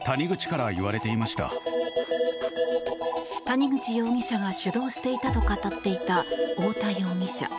谷口容疑者が主導していたと語っていた太田容疑者。